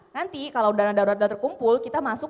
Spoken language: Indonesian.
nanti kalau dana darurat sudah terkumpul kita masuk